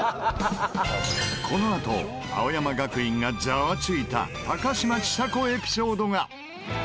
このあと青山学院がザワついた高嶋ちさ子エピソードが。